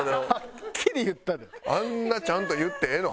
あんなちゃんと言ってええの？